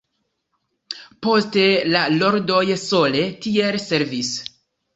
Poste, la Lordoj sole tiel servis.